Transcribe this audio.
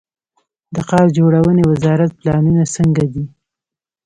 د ښار جوړونې وزارت پلانونه څنګه دي؟